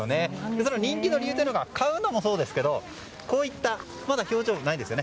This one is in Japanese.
その人気の理由というのが買うのもそうですけどこれ、まだ表情がないですよね。